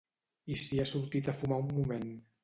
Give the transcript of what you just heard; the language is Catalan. I si ha sortit a fumar un moment?